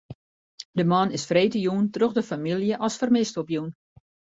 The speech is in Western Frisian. De man is freedtejûn troch de famylje as fermist opjûn.